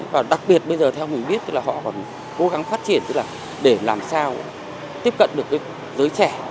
và đặc biệt bây giờ theo mình biết là họ còn cố gắng phát triển tức là để làm sao tiếp cận được cái giới trẻ